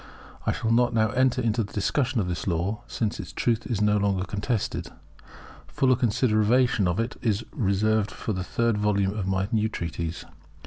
I shall not now enter into the discussion of this law, since its truth is no longer contested. Fuller consideration of it is reserved for the third volume of my new treatise.